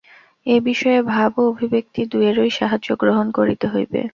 এ-বিষয়ে ভাব ও অভিব্যক্তি দুয়েরই সাহায্য গ্রহণ করিতে হইবে।